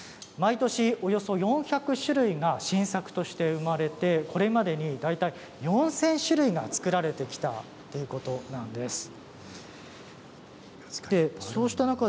毎年およそ４００種類が新作として生まれてこれまでに大体４０００種類が作られてきたということです。